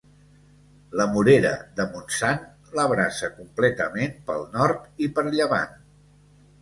La Morera de Montsant l'abraça completament pel nord i per llevant.